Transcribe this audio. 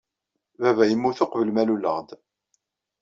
Baba yemmut uqbel ma luleɣ-d.